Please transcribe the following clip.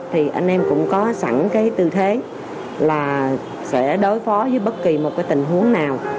thì anh em cũng có sẵn cái tư thế là sẽ đối phó với bất kỳ một cái tình huống nào